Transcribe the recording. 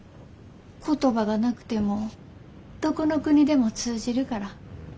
言葉がなくてもどこの国でも通じるから。